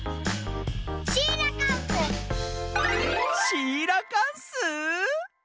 シーラカンス！